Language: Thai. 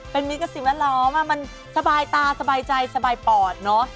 เป็นมิสกษิวร้อมอะมันสบายตาสบายใจสบายปอดเนอะ